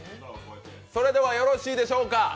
それではよろしいでしょうか。